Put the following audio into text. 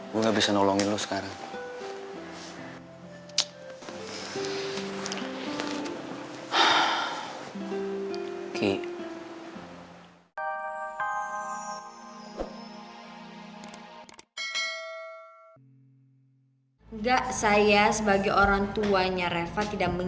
dengan cara lain juga bisa mas